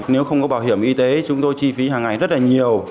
nếu không có bảo hiểm y tế chúng tôi chi phí hàng ngày rất là nhiều